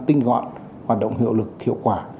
tinh gọn hoạt động hiệu lực hiệu quả